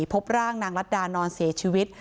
พบร่างนางรัฐดานอนเสียชีวิต